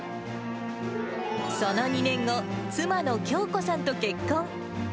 その２年後、妻の響子さんと結婚。